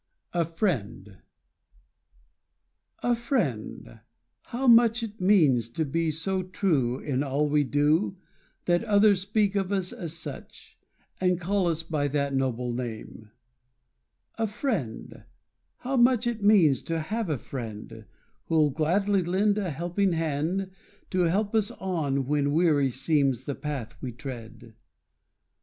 A Friend A friend how much it means To be so true In all we do That others speak of us as such, And call us by that noble name. A friend how much it means To have a friend Who'll gladly lend A helping hand to help us on When weary seems the path we tread.